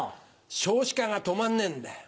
少子化が止まんねえんだよ。